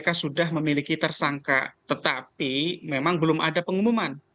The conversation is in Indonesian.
kpk sudah memiliki tersangka tetapi memang belum ada pengumuman